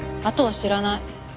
あとは知らない。